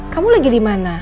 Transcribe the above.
kamu lagi di mana